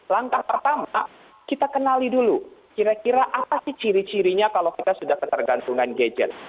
langkah pertama kita kenali dulu kira kira apa sih ciri cirinya kalau kita sudah ketergantungan gadget